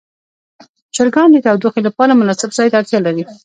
چرګان د تودوخې لپاره مناسب ځای ته اړتیا لري.